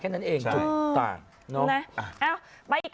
อ๋อใช่ต่างมานั้นเอ้าปุ๊กกี้ไปอีกคราวนึง